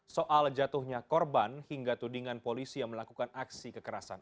soal jatuhnya korban hingga tudingan polisi yang melakukan aksi kekerasan